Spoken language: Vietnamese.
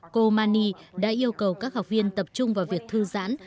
cô mani đã yêu cầu các học viên tập trung vào việc thư giãn